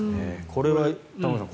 これは玉川さん